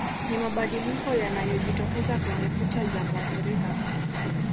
Ni mabadiliko yanayojitokeza kwenye kucha za muathirika